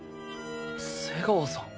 瀬川さん。